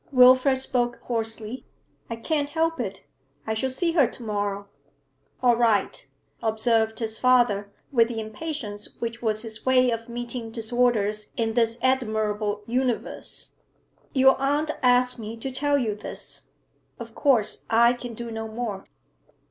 Wilfrid spoke hoarsely. 'I can't help it. I shall see her to morrow.' 'All right,' observed his father, with the impatience which was his way of meeting disorders in this admirable universe. 'Your aunt asked me to tell you this; of course I can do no more.'